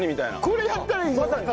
これやったらいいじゃん。